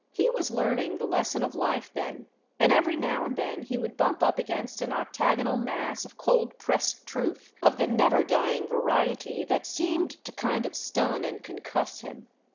He was learning the lesson of life then, and every now and then he would bump up against an octagonal mass of cold pressed truth of the never dying variety that seemed to kind of stun and concuss him.